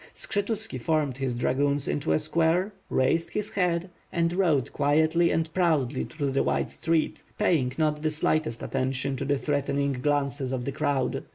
Skshetuski formed his dragoons into a square, raised his head and rode quietly and proudly through the wide street, paying not the slightest attention to the threatening glances of the crowd.